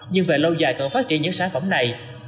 nhưng về lâu dài cần phát triển những sản phẩm này